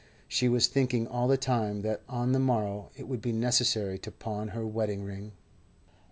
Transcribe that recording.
She was thinking all the time that on the morrow it would be necessary to pawn her wedding ring.